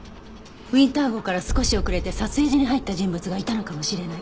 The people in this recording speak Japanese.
ウィンター号から少し遅れて撮影所に入った人物がいたのかもしれない。